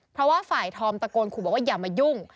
เพราะว่าฝ่ายธอมตะโกนขู่บอกว่าอย่ามายุ่ง